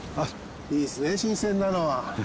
いいですね新鮮なのは。